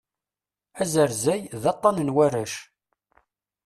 Azerzay, d aṭṭan n warrac.